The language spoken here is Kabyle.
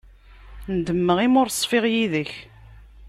Nedmeɣ imi ur ṣfiɣ yid-k.